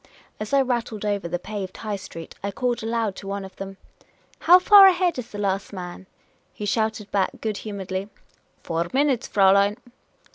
As I rattled over the paved High Street, I called aloud to one of them. " How far ahead the last man ?" He shouted back, good humouredly :" Four minutes, Fraulein."